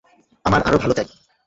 আমার আরও আলো চাই।